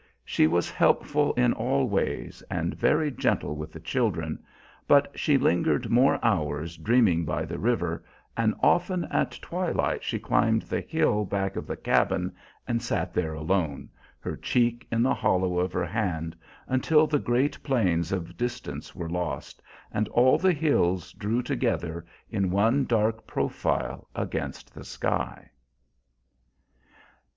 She was helpful in all ways, and very gentle with the children, but she lingered more hours dreaming by the river, and often at twilight she climbed the hill back of the cabin and sat there alone, her cheek in the hollow of her hand, until the great planes of distance were lost, and all the hills drew together in one dark profile against the sky.